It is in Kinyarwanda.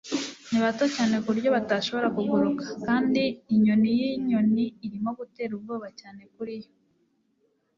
Ni bato cyane ku buryo batashobora kuguruka, kandi inyoni y'inyoni irimo gutera ubwoba cyane kuri yo.